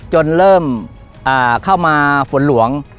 จนเริ่มเข้ามาฝนหลวง